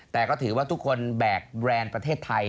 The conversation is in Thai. แต่ก็ถือว่าทุกคนแบกแบรนด์ประเทศไทย